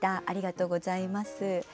ありがとうございます。